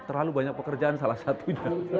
terlalu banyak pekerjaan salah satunya